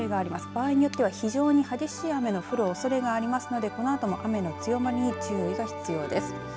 場合によっては非常に激しい雨が降るおそれがありますのでこのあとも雨の強まりに注意が必要です。